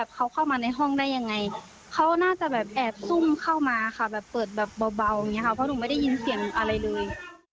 เบาอย่างนี้ครับเพราะหนูไม่ได้ยินเสียงอะไรเลย